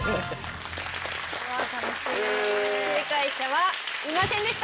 正解者はいませんでした！